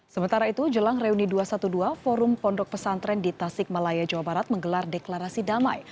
sementara itu jelang reuni dua ratus dua belas forum pondok pesantren di tasik malaya jawa barat menggelar deklarasi damai